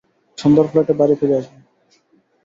সন্ধ্যার ফ্লাইটে বাড়ি ফিরে আসবো।